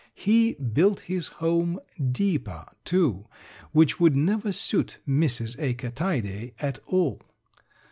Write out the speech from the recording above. He built his home deeper, too, which would never suit Mrs. Acre Tidae at all.